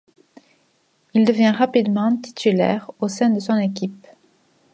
Il devient rapidement titulaire au sein de son équipe.